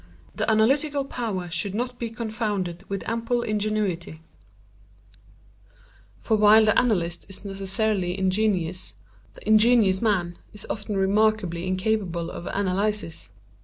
The analytical power should not be confounded with ample ingenuity; for while the analyst is necessarily ingenious, the ingenious man is often remarkably incapable of analysis.